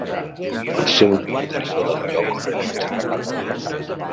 El seu nom deriva del lloc on habita.